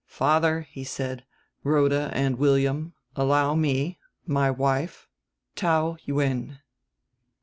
"Father," he said, "Rhoda and William, allow me my wife, Taou Yuen."